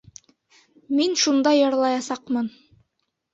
Мин шунда йырлаясаҡмын.